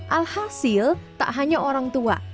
alhasil tak hanya orang tua